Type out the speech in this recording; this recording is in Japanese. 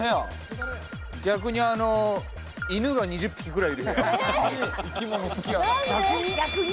逆に、犬が２０匹くらいいる部屋。